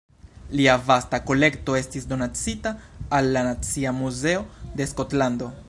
Lia vasta kolekto estis donacita al la Nacia Muzeo de Skotlando.